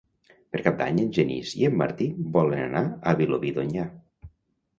Per Cap d'Any en Genís i en Martí volen anar a Vilobí d'Onyar.